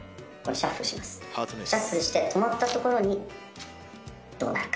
シャッフルして止まったところにどうなるか？